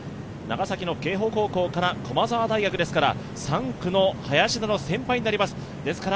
長崎の瓊浦高校から駒沢大学ですから、３区の林田の先輩になります。